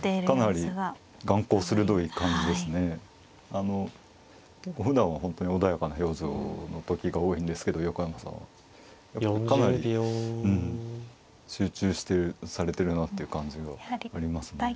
あのふだんは本当に穏やかな表情の時が多いんですけど横山さんはかなり集中されてるなっていう感じがありますね。